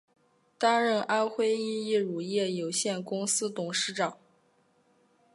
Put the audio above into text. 担任安徽益益乳业有限公司董事长。